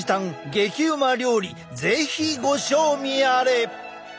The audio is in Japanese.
激うま料理是非ご賞味あれ！